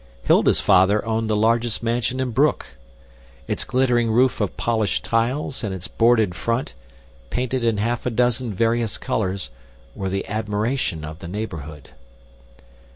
Hilda's father owned the largest mansion in Broek. Its glittering roof of polished tiles and its boarded front, painted in half a dozen various colors, were the admiration of the neighborhood.